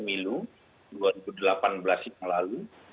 pemilu dua ribu delapan belas yang lalu